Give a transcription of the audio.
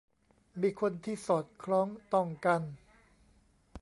มีคนที่สอดคล้องต้องกัน